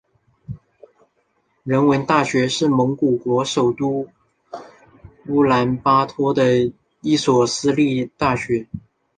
人文大学是蒙古国首都乌兰巴托的一所私立大学。